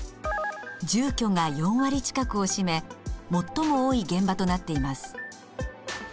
住居が４割近くを占め最も多い現場となっています。